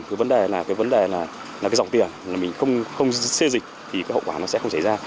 cái vấn đề là cái dòng tiền mình không xê dịch thì cái hậu quả nó sẽ không xảy ra